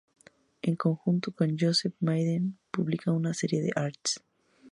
En conjunto con Joseph Maiden publica una serie de arts.